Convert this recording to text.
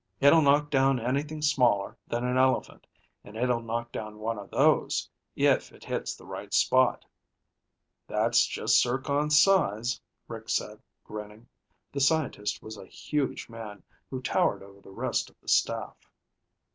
It'll knock down anything smaller than an elephant, and it'll knock down one of those, if it hits the right spot." "That's just Zircon's size," Rick said, grinning. The scientist was a huge man who towered over the rest of the staff.